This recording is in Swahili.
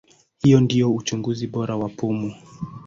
Hii ndio uchunguzi bora wa pumu.